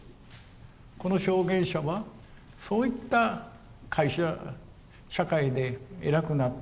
この証言者はそういった会社社会で偉くなった。